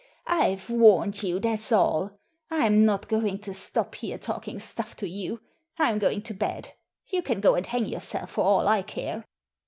I've warned you, that's alL I'm not going to stop here, talking stuff to you. I'm going to bed You can go and hang yourself for all I care."